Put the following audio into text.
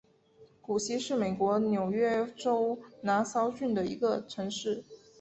谷溪是美国纽约州拿骚郡的一个城市。